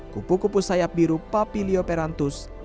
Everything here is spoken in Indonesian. kupu kupu sayap biru papilio perantus